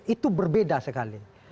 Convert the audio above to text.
itu berbeda sekali